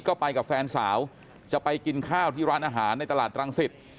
ก็ไปกับแฟนสาวจะไปกินข้าวที่ร้านอาหารในตลาดรังสิต